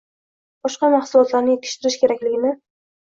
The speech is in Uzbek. boshqa mahsulotlarni yetishtirish kerakligini